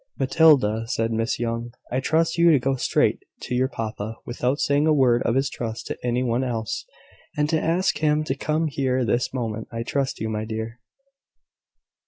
"Matilda," said Miss Young, "I trust you to go straight to your papa, without saying a word of this to any one else, and to ask him to come here this moment. I trust you, my dear."